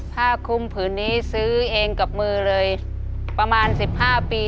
ผ้าคุมผืนนี้ซื้อเองกับมือเลยประมาณ๑๕ปี